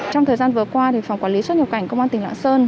trong thời gian vừa qua phòng quản lý xuất nhập cảnh công an tỉnh lạng sơn